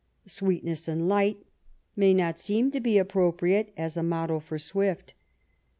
Sweetness and light may not seem to be appropriate as a motto for Swift.